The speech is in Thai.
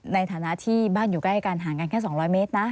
ในฐานะที่บ้านอยู่ใกล้กันห่างกันแค่๒๐๐เมตรนะ